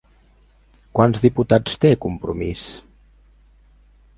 Quants diputats té Compromís?